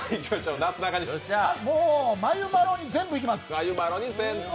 もうまゆまろに全部いきます。